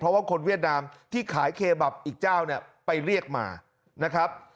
เพราะว่าคนเวียดนามที่ขายเคบับอีกเจ้าเนี่ยไปเรียกมานะครับ